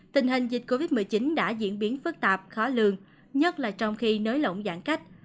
tình hình dịch covid một mươi chín đã diễn biến phức tạp khó lường nhất là trong khi nới lỏng giãn cách